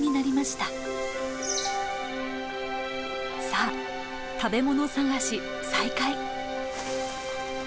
さあ食べ物探し再開。